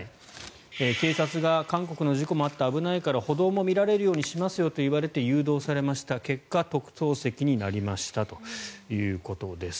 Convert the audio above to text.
警察が韓国の事故もあって危ないから歩道も見られるようにしますよと言われて誘導されました結果、特等席になりましたということです。